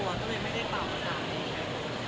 ก็ไม่ได้เปล่าประสาท